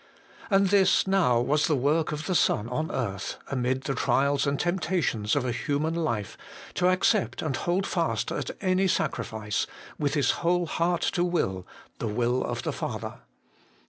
And this now was the work of the Son on earth, amid the trials and temptations of a human life, to accept and hold fast at any sacrifice, with His whole heart to will, the will of the Father.